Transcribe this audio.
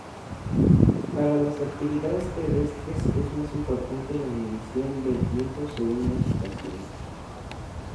Para las actividades terrestres es más importante la medición del tiempo según las estaciones.